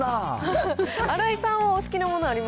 新井さんはお好きなものあり